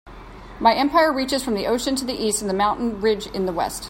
My empire reaches from the ocean in the East to the mountain ridge in the West.